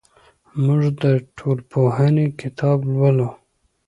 موږ د ټولنپوهنې کتاب لولو.